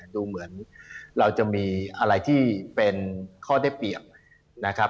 ดูเหมือนเราจะมีอะไรที่เป็นข้อได้เปรียบนะครับ